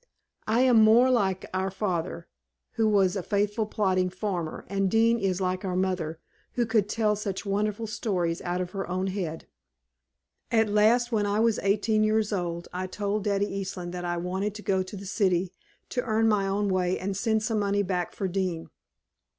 I am more like our father, who was a faithful plodding farmer, and Dean is like our mother, who could tell such wonderful stories out of her own head. "At last, when I was eighteen years old, I told Daddy Eastland that I wanted to go to the city to earn my own way and send some money back for Dean.